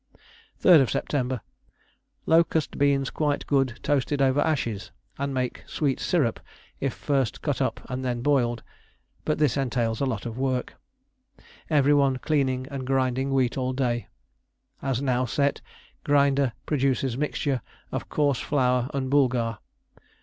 "3rd Sept. Locust beans quite good toasted over ashes, and make sweet syrup if first cut up and then boiled, but this entails a lot of work. Every one cleaning and grinding wheat all day. As now set, grinder produces mixture of coarse flour and boulgar.